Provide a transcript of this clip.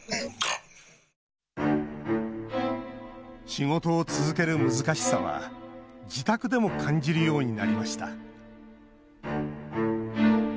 仕事を続ける難しさは自宅でも感じるようになりました。